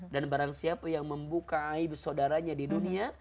dan barang siapa yang membuka aib saudaranya di dunia